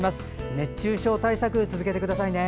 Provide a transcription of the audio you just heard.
熱中症対策、続けてくださいね。